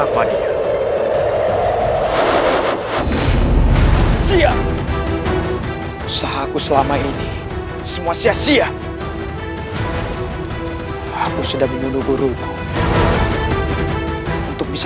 menggunakan senjata pusaka untuk membunuh tiansanta tapi gagal harus